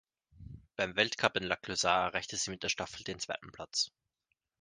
Beim Weltcup in La Clusaz erreichte sie mit der Staffel den zweiten Platz.